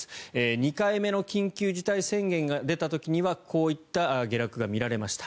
２回目の緊急事態宣言が出た時にはこういった下落が見られました。